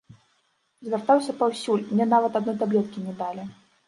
Звяртаўся паўсюль, мне нават адной таблеткі не далі.